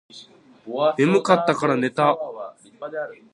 眠かったらから寝た